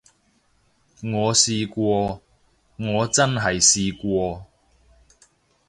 我試過，我真係試過